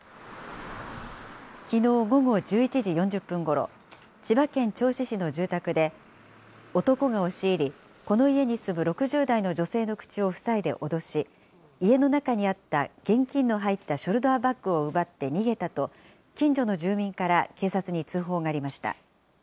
きのう午後１１時４０分ごろ、千葉県銚子市の住宅で、男が押し入り、この家に住む６０代の女性の口を塞いで脅し、家の中にあった現金の入ったショルダーバッグを奪って逃げたと近所の住民から警察に通報がありました。